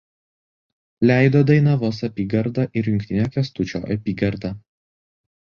Leido Dainavos apygarda ir Jungtinė Kęstučio apygarda.